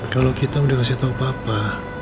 kalau kita udah kasih tau papa